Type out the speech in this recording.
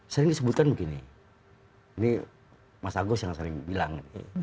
sering disebutkan begini ini mas agus yang sering bilang